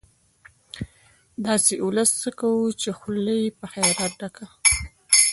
داسې ولس څه کوو، چې خوله يې په خيرات ډکه